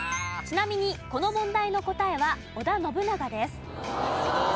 ちなみにこの問題の答えは織田信長です。